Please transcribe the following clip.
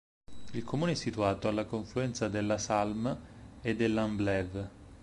Il comune è situato alla confluenza della Salm e dell'Amblève.